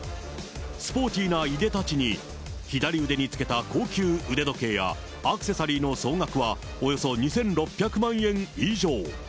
スポーティーないでたちに、左腕につけた高級腕時計やアクセサリーの総額はおよそ２６００万円以上。